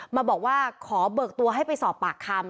มาบอกว่าขอเบิกตัวให้ไปสอบปากคำ